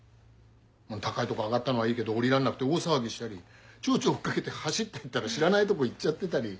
高いとこ上がったのはいいけど下りられなくて大騒ぎしたりチョウチョウ追っ掛けて走ってったら知らないとこ行っちゃってたり。